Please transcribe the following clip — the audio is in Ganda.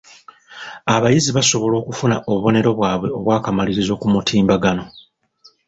Abayizi basobola okufuna obubonero bwabwe obw'akamalirizo ku mutimbagano.